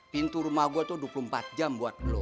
pintu rumah gue tuh dua puluh empat jam buat lo